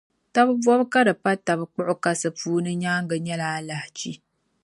Taba bɔbu ka di pa taba kpuɣi kasi puuni nyaaŋa nyɛla alahachi.